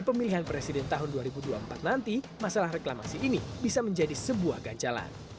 pemilihan presiden tahun dua ribu dua puluh empat nanti masalah reklamasi ini bisa menjadi sebuah ganjalan